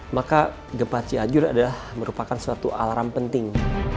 maka gempa cianjur adalah merupakan suatu alarm penting